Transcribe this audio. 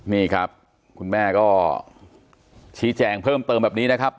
นี่ครับคุณแม่ก็ชี้แจงเพิ่มเติมแบบนี้นะครับ